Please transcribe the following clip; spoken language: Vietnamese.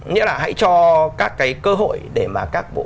nghĩa là hãy cho các cái cơ hội để mà các bộ